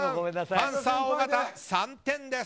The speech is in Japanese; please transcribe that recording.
パンサー尾形、３点です。